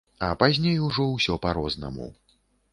А пазней ужо ўсё па-рознаму.